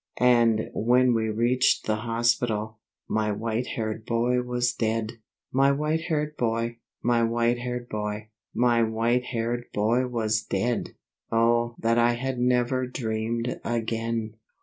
And when we reached the hospital, my white haired boy was dead! My white haired boy, my white haired boy, my white haired boy was dead! Oh that I had never dreamed again!